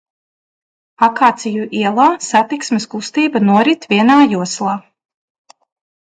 Akāciju ielā satiksmes kustība norit vienā joslā.